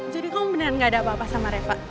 jadi kamu beneran gak ada apa apa sama reva